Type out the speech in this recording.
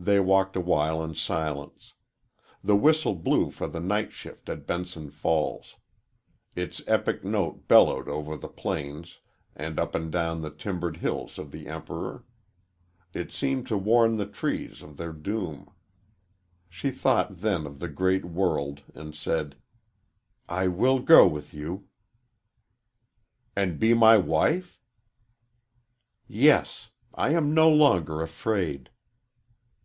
They walked awhile in silence. The whistle blew for the night shift at Benson Falls. Its epic note bellowed over the plains and up and down the timbered hills of the Emperor. It seemed to warn the trees of their doom. She thought then of the great world, and said, "I will go with you." "And be my wife?" "Yes. I am no longer afraid."